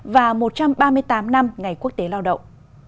và một trăm ba mươi tám năm ngày quốc tế lao động